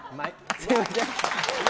すみません。